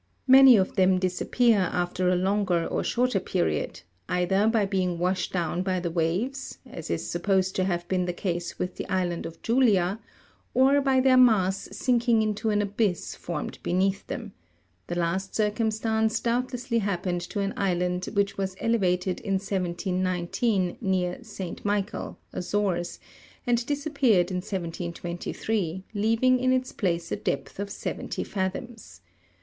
Many of them disappear after a longer or shorter period, either by being washed down by the waves, as is supposed to have been the case with the island of Julia, or by their mass sinking into an abyss formed be neath them ; the last circumstance doubtlessly happened to an island which was elevated in 1719, near Saint Michael (Azores), and disappeared in 1723, leaving in its place a depth of seventy fathoms.